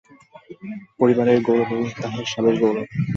পরিবারের গৌরবেই তাহার স্বামীর গৌরব।